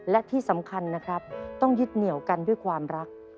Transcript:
และที่สำคัญนะครับต้องยึดเหนียวกันด้วยความรัก